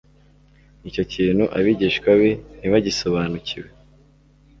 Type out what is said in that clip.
Icyo kintu abigishwa be ntibagisobanukiwe.